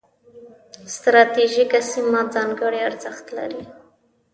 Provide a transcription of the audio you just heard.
ستراتیژیکه سیمه ځانګړي ارزښت لري.